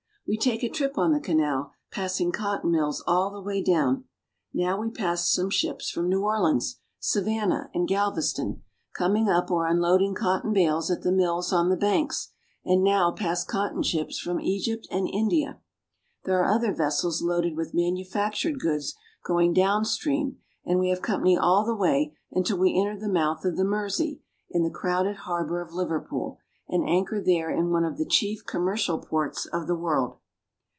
We take a trip on the canal, passing cotton mills all the way down. Now we pass ships from New Orleans, 6 4 ENGLAND. Savannah, and Galveston, coming up or unloading cotton bales at the mills on the banks, and now pass cotton ships from Egypt and India. There are other vessels loaded with manufactured goods going down stream, and we have The Harbor, Liverpool. company all the way until we enter the mouth of the Mersey mer'zi) in the crowded harbor of Liverpool, and anchor there in one of the chief commercial ports of the world.